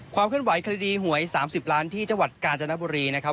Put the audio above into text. ความเคลื่อนไหวคดีหวย๓๐ล้านที่จังหวัดกาญจนบุรีนะครับ